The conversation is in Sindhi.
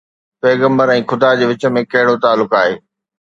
پيغمبر ۽ خدا جي وچ ۾ ڪهڙو تعلق آهي؟